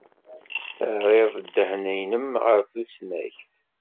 Terriḍ ddehn-nnem ɣer tusnakt.